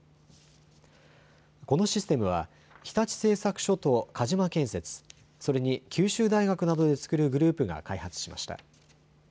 このシステムは日立製作所と鹿島建設、それに九州大学などで作るグループが開発しました。